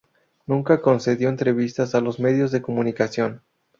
Nunca concedió entrevistas a los medios de comunicación.